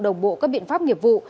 đồng bộ các biện pháp nghiệp vụ